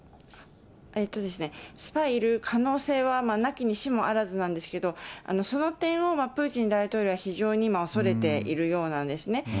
スパイがいる可能性はなきにしもあらずなんですけど、その点をプーチン大統領は非常に今、恐れているようなんですね。